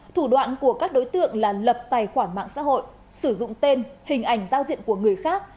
thủ đoạn của các đối tượng là lập tài khoản mạng xã hội sử dụng tên hình ảnh giao diện của người khác